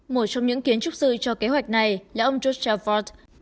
một trong những kiến trúc sư cho kế hoạch này là ông george shelford